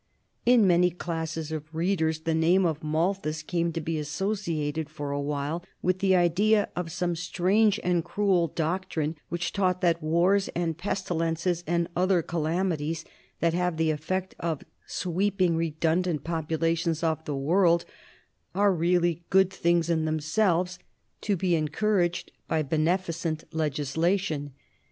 In many classes of readers the name of Malthus came to be associated for a while with the idea of some strange and cruel doctrine which taught that wars and pestilences and other calamities that have the effect of sweeping redundant populations off the world are really good things in themselves, to be encouraged by beneficent legislation.